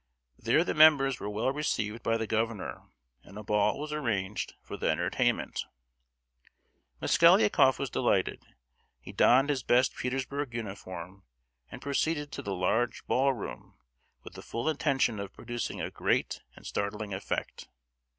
There the members were well received by the governor, and a ball was arranged for their entertainment. Mosgliakoff was delighted. He donned his best Petersburg uniform, and proceeded to the large ball room with the full intention of producing a great and startling effect.